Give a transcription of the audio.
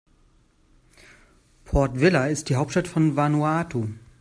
Port Vila ist die Hauptstadt von Vanuatu.